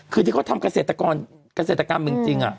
คือที่เขาทำเกษตรกรเกษตรกรรมเมืองจริง